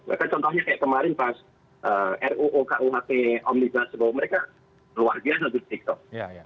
bahkan contohnya kayak kemarin pas ruu kuhp omnidas mereka luar biasa di tiktok